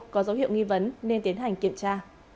có dấu hiệu nghi vấn nên tiến hành kiểm tra